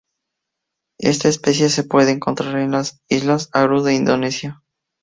Esta especie se puede encontrar en las Islas Aru de Indonesia.